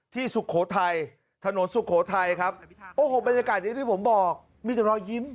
สุโขทัยถนนสุโขทัยครับโอ้โหบรรยากาศนี้ที่ผมบอกมีแต่รอยยิ้ม